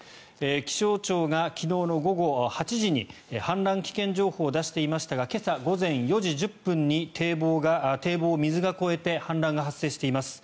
気象庁が昨日の午後８時に氾濫危険情報を出していましたが今朝午前４時１０分に堤防を水が越えて氾濫が発生しています。